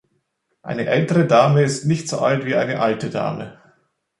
Eine "ältere Dame" ist nicht so alt wie eine "alte Dame".